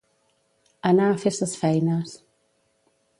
Anar a fer ses feines.